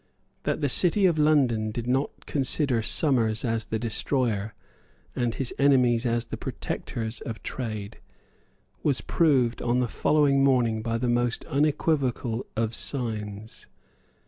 That the City of London did not consider Somers as the destroyer, and his enemies as the protectors, of trade, was proved on the following morning by the most unequivocal of signs.